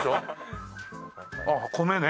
ああ米ね。